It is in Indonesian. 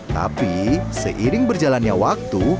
tapi seiring berjalannya waktu